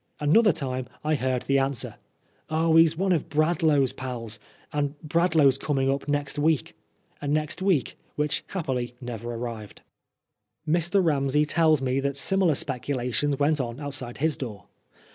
Another time I heard the answer, " Oh, he's one of Bradlaugh's pals ; and Bradlaugh'a coming up next week "— a next week which happily never arrived. Mr. Ramsey tells me that similar speculations went on outside his door.